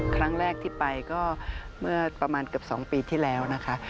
ครั้งแรกที่ไปก็เมื่อประมาณเกือบ๒ปีที่แล้วนะคะ